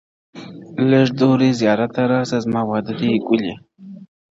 لږه دورې زيارت ته راسه زما واده دی گلي_